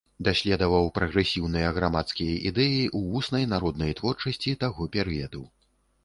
Даследаваў прагрэсіўныя грамадскія ідэі ў вуснай народнай творчасці таго перыяду.